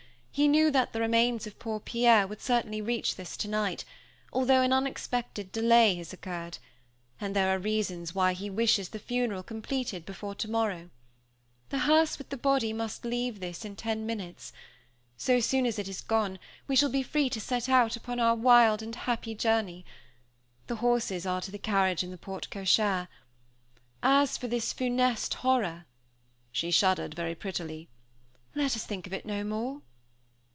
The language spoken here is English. He knew that the remains of poor Pierre would certainly reach this tonight, although an unexpected delay has occurred; and there are reasons why he wishes the funeral completed before tomorrow. The hearse with the body must leave this in ten minutes. So soon as it is gone, we shall be free to set out upon our wild and happy journey. The horses are to the carriage in the porte cochère. As for this funeste horror" (she shuddered very prettily), "let us think of it no more."